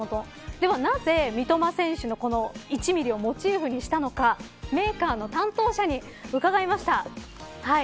では、なぜ三笘選手の１ミリをモチーフにしたのかメーカーの担当者に伺いました。